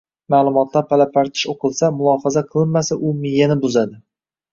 ma’lumotlar pala-partish o‘qilsa, mulohaza qilinmasa, u miyani buzadi